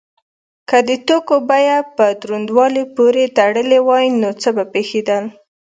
که د توکو بیه په دروندوالي پورې تړلی وای نو څه به پیښیدل؟